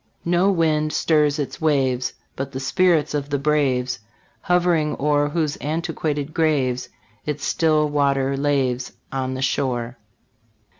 "No wind stirs its waves, But the spirits of the braves Hov'ring o'er, Whose antiquated graves Its still water laves On the shore."